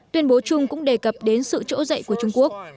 tuyên bố chung cũng đề cập đến sự trỗi dậy của trung quốc